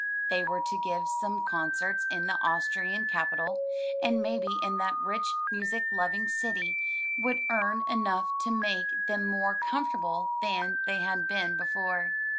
They were to give some concerts in the Austrian capital, and maybe in that rich, music loving city would earn enough to make them more comfortable than they had been before.